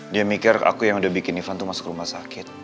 dia mikir aku yang udah bikin ivan tuh masuk rumah sakit